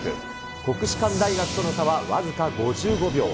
国士舘大学との差は僅か５５秒。